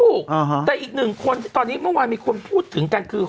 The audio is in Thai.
ถูกแต่อีกหนึ่งคนที่ตอนนี้เมื่อวานมีคนพูดถึงกันคือ